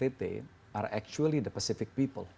itu sebenarnya orang pasifik